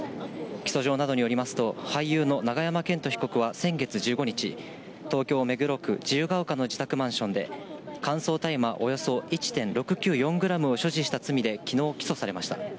起訴状などによりますと、俳優の永山絢斗被告は先月１５日、東京・目黒区自由が丘の自宅マンションで、乾燥大麻およそ１．６９４グラムを所持した罪できのう、起訴されました。